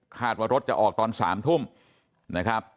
ว่ารถจะออกตอน๓ทุ่มนะครับ